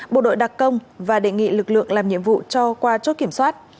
bộ đội đặc công và đề nghị lực lượng làm nhiệm vụ cho qua chốt kiểm soát